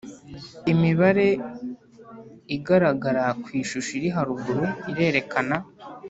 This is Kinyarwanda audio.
Imibare igaragara ku ishusho iri haruguru irerekana